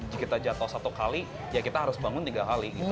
jika kita jatuh satu kali ya kita harus bangun tiga kali gitu